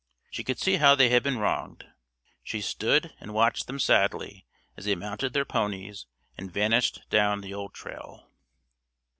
She could see how they had been wronged. She stood and watched them sadly as they mounted their ponies and vanished down the old trail.